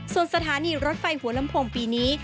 ส่วนสถานีรถไฟหัวลำโพงปีนี้